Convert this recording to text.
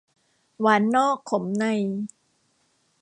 หวานนอกขมใน